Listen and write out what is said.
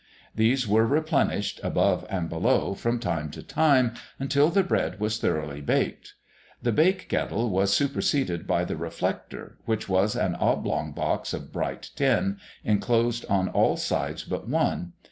These were replenished, above and below, from time to time, until the bread was thoroughly baked. The bake kettle was superseded by the reflector, which was an oblong box of bright tin, enclosed on all sides but one.